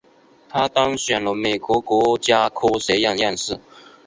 他当选了美国国家科学院院士。